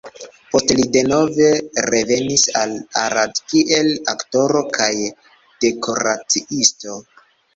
Poste li denove revenis al Arad kiel aktoro kaj dekoraciisto.